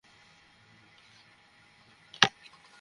এখন বরং আশপাশের কয়েকটি জেলার লোকজন এখানে এসে কারখানায় কাজ নিয়েছেন।